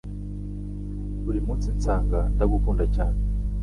Buri munsi nsanga ndagukunda cyane,